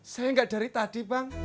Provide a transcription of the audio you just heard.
saya nggak dari tadi bang